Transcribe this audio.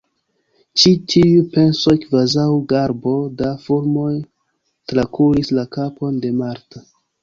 Ĉi tiuj pensoj kvazaŭ garbo da fulmoj trakuris la kapon de Marta.